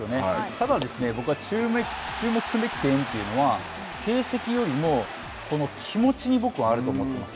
ただ、僕は注目すべき点というのは成績よりもこの気持ちに僕はあると思ってます。